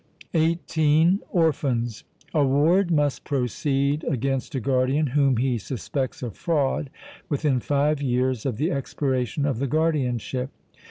(18) Orphans. A ward must proceed against a guardian whom he suspects of fraud within five years of the expiration of the guardianship.